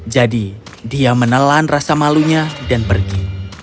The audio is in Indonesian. jadi dia menelan rasa malunya dan pergi